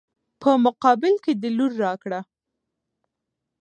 په مقابل کې د لور راکړه.